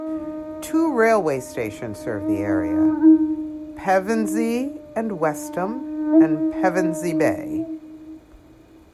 Two railway stations serve the area: Pevensey and Westham and Pevensey Bay.